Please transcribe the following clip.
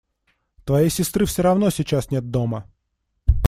Твоей сестры все равно сейчас нет дома.